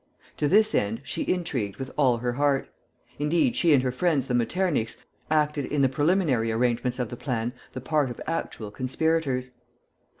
To this end she intrigued with all her heart. Indeed, she and her friends the Metternichs acted in the preliminary arrangements of the plan the part of actual conspirators.